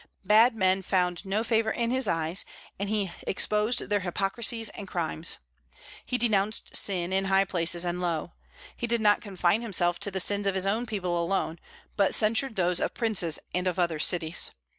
Bad men found no favor in his eyes, and he exposed their hypocrisies and crimes. He denounced sin, in high places and low. He did not confine himself to the sins of his own people alone, but censured those of princes and of other cities.